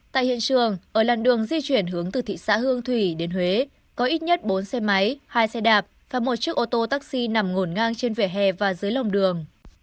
tại hiện trường ở làn đường di chuyển hướng từ thị xã hương thủy đến huế có ít nhất bốn xe máy hai xe đạp và một chiếc ô tô taxi nằm ngổn ngang trên vỉa hè và dưới lòng đường